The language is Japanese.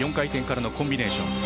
４回転からのコンビネーション。